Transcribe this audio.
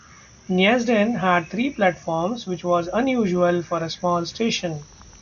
Neasden had three platforms, which was unusual for a small station.